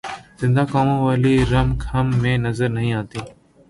زندہ قوموں والی رمق ہم میں نظر نہیں آتی۔